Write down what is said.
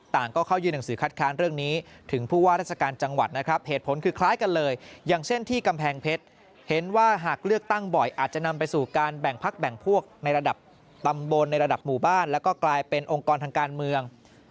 ทำบนในระดับหมู่บ้านแล้วก็กลายเป็นองค์กรทางการเมือง